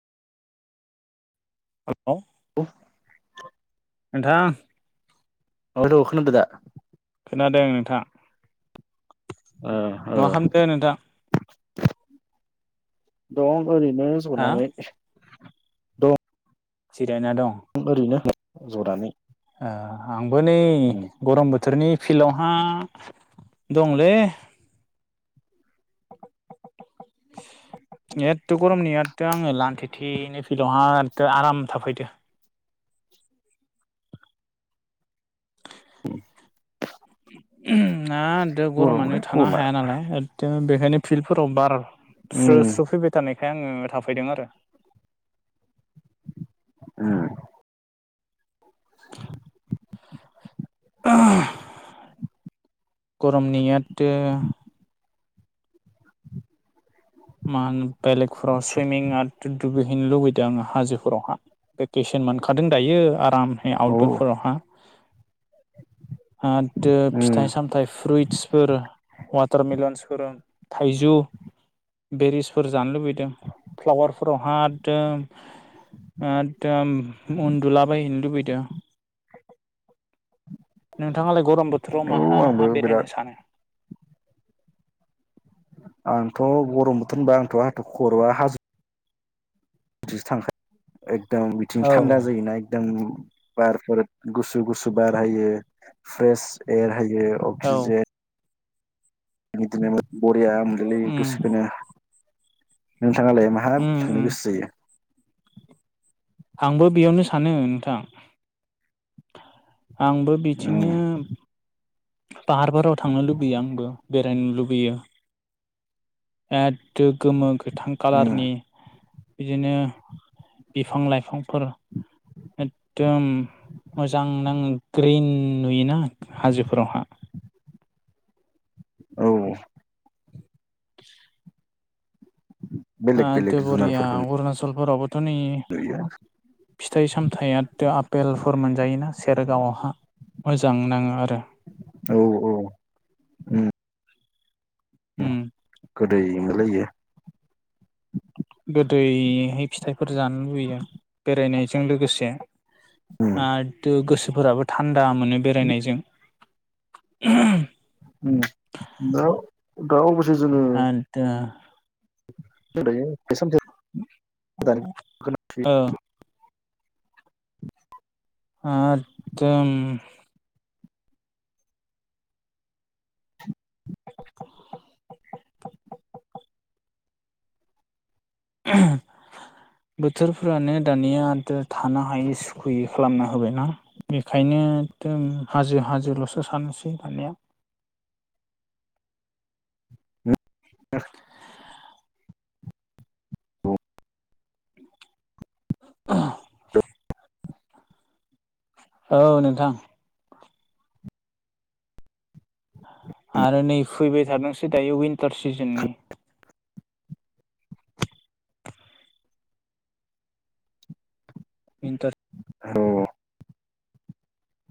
Hello औ नोंथां hello खोनादों दा? खोनादों नोंथां ओ ओ मा खालामदो नोंथां दं ओरैनो हा जनानै जिरायना दं। दं ओरैनो [unintelligible] जनानै ओ आंबो नै उम गरम बोथोरनि फिल्डावहा दंलै एथ' गरमनियाथ' आङो लानथि थिननो फिल्डाहाय आराम थाफैदो [inaudible] उम एकद गरमानो गरमलै थानो गरमा हाया नालाय एददो बेखायनो फिल्डफोराव बार स्रो उम स्रो फैबाय थानायखाय आङो थाफैदों आरो। [inaudible] [inaudible] [inaudible] गरमनि एददो मा होनो बेलेगफोराव सुइमिंआ दुगैहैनो लुबैदों आङो हाजोफोरावहा। भेकेसन मोनखादों दायो आरामहै आउटरफोरावहा। आददो उम फिथाइ सामथाइ फ्रुइटसफोर वाटारमेलनसफोर थाइजौ, बेरिसफोर जानो लुबैदों फ्लावारफोरावहात। एदम एदम उन्दुलाबायहैनो लुबैदों। नोंथाङालाय गरम बोथोराव औ माहा आंबो माहा बिराद बेरायनो सानो। आंथ' गरम बोथोर होनबा आंथ' खरवा हाजो। बिदिसो थांख एकदम बिथिं औ थान्दा जायोना [unintelligible] जों बारफोर गुसु गुसु बार होयो फ्रेश एयार होयो। अक्सिजेन उम बिदिनो बरिया मोनोलै गोसोखोनो। नोंथाङालाय माहा उम थांनो उम गोसो जायो। आंबो बेयावनो सानो नोंथां आंबो। बिथिंनो उम फाहारफोराराव थांनो लुबैयो आंबो बेरायनो लुबैयो। बिराद गोमो गोथां उम कालारनि। बिदिनो बिफां लाइफांफोर। एदम। मोजां नाङो ग्रिन नुयोना हाजोफोरावहा औ। [inaudible] बेलेग एथ' बेलेग बरिया अरुणाचलफोरावबोथ' नै। जै फिथाइ सामथायाइथ' आफपेलफोर मोनजायोना सेरगावआवहा। मोजां नाङो आरो। औ औ। उम ओम। गोदै मोनलैयो। गोदैहै फिथाइफोर जानो लुबैयो बेरायनायजों लोगोसे। उम आरो गोसोफोराबो थान्दा मोनो बेरायनायजों दा दा अबसे जोङो। दा बे समोम औ। आकदम। [inaudible] [inaudible] बोथोरफोरानो दानियाथ थानो हायै सुखुयै खालामना होबायना। बेखायनोदम हाजो हाजोोल'सो साननोसै दाननाया‌। [inaudible] अ औ नोंथां। आरो नै फैबाय थादोंसो दायो विनटार सिजोननि। [inaudible] बिथ औ